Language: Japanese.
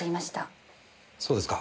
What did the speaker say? そうですか。